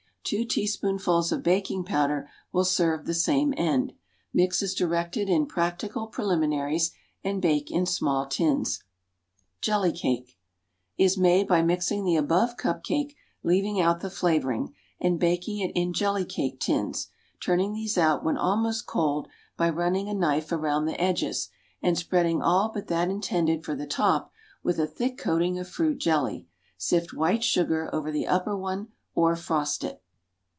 Two teaspoonfuls of baking powder will serve the same end. Mix as directed in "Practical Preliminaries," and bake in small tins. Jelly cake Is made by mixing the above cup cake, leaving out the flavoring, and baking it in "jelly cake tins," turning these out when almost cold by running a knife around the edges, and spreading all but that intended for the top with a thick coating of fruit jelly. Sift white sugar over the upper one or frost it.